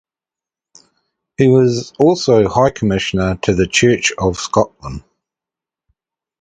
He was also High Commissioner to the Church of Scotland.